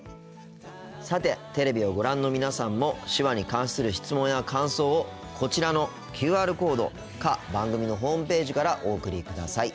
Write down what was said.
さてテレビをご覧の皆さんも手話に関する質問や感想をこちらのＱＲコードか番組のホームページからお送りください。